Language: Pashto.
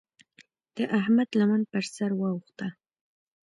د احمد لمن پر سر واوښته.